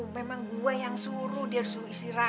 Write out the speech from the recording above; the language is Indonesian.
memang gue yang suruh dia harus istirahat